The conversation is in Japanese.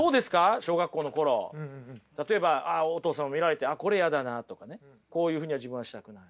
小学校の頃例えばお父さんを見られて「あっこれやだな」とかね「こういうふうには自分はしたくない」。